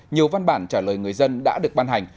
nhiều văn bản trả lời người dân đã được ban hành